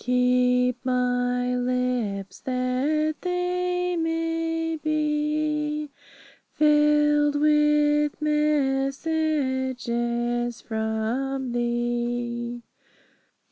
Keep my lips, that they may be Filled with messages from Thee.